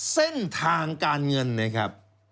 เส้นทางการเงินนะครับ